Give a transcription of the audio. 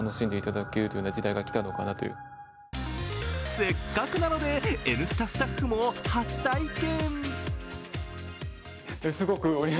せっかくなので「Ｎスタ」スタッフも初体験。